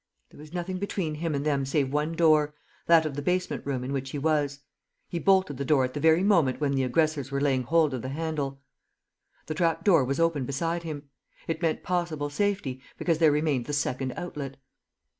There was nothing between him and them save one door, that of the basement room in which he was. He bolted the door at the very moment when the aggressors were laying hold of the handle. The trap door was open beside him; it meant possible safety, because there remained the second outlet.